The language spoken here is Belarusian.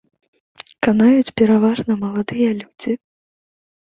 Канаюць пераважна маладыя людзі.